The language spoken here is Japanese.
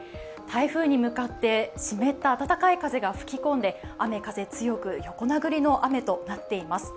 台風に向かって湿った暖かい風が吹き込んで雨風強く、横殴りの雨となっています。